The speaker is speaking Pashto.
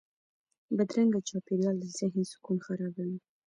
بدرنګه چاپېریال د ذهن سکون خرابوي